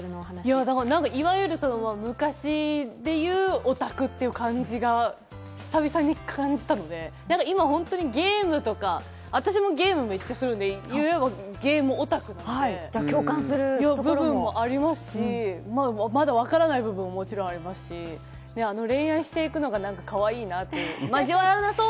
いわゆる昔でいうオタクっていう感じが久々に感じたので、今ゲームとか、私もゲームはめっちゃするんで、ゲームオタクなんで、共感する部分もありますし、まだわからない部分はもちろんありますし、恋愛していくのがなんか、かわいいなって。